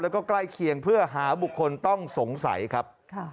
แล้วก็ใกล้เคียงเพื่อหาบุคคลต้องสงสัยครับ